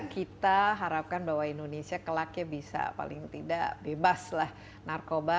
kita harapkan bahwa indonesia kelaknya bisa paling tidak bebas lah narkoba